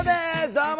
どうも！